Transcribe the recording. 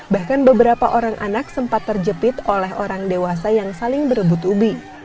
bahkan beberapa orang anak sempat terjepit oleh orang dewasa yang saling berebut ubi